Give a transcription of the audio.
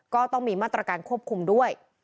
ก็ต้องมีมาตรการควบคุมด้วย